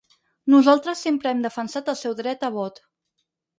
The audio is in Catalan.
Nosaltres sempre hem defensat el seu dret a vot.